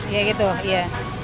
ya gitu ya